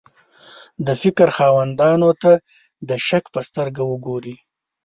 د فکر خاوندانو ته د شک په سترګه وګوري.